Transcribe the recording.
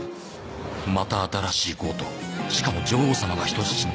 また新しい強盗しかも女王様が人質に